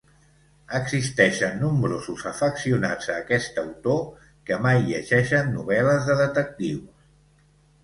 Existeixen nombrosos afeccionats a aquest autor que mai llegeixen novel·les de detectius.